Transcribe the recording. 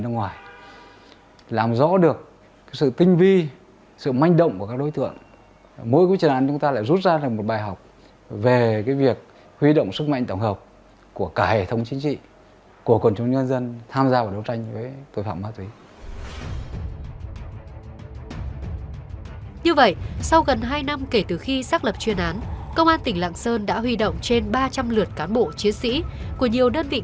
như vậy sau gần hai năm kể từ khi xác lập chuyên án công an tỉnh lạng sơn đã huy động trên ba trăm linh lượt cán bộ chiến sĩ của nhiều đơn vị nông dân